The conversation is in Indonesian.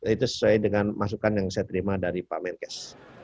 itu sesuai dengan masukan yang saya terima dari pak menkes